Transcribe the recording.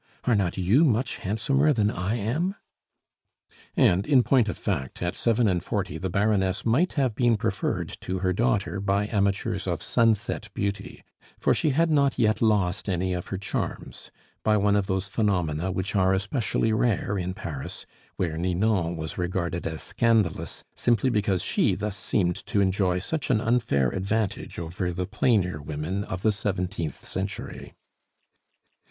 Are not you much handsomer than I am?" And, in point of fact, at seven and forty the Baroness might have been preferred to her daughter by amateurs of sunset beauty; for she had not yet lost any of her charms, by one of those phenomena which are especially rare in Paris, where Ninon was regarded as scandalous, simply because she thus seemed to enjoy such an unfair advantage over the plainer women of the seventeenth century.